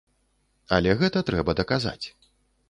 Але гэта трэба даказаць.